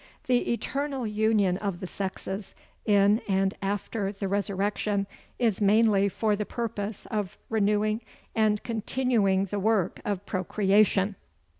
The eternal union of the sexes, in and after the resurrection, is mainly for the purpose of renewing and continuing the work of procreation.